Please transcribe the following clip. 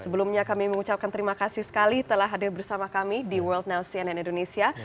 sebelumnya kami mengucapkan terima kasih sekali telah hadir bersama kami di world now cnn indonesia